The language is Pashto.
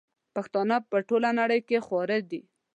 پښتانه په ټوله نړئ کي خواره دي